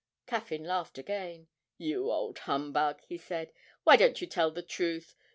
Caffyn laughed again. 'You old humbug!' he said. 'Why don't you tell the truth?